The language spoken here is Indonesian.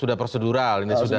sudah prosedural ini sudah